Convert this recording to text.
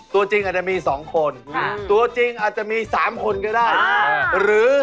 ตัวจริงอาจจะมี๒คนตัวจริงอาจจะมี๓คนก็ได้หรือ